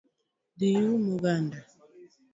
Dhi ium oganda